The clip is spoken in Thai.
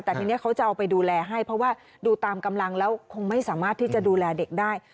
แต่ทีนี้เขาจะเอาไปดูแลให้เพราะว่าดูตามกำลังแล้วคงไม่สามารถที่จะดูแลเด็กได้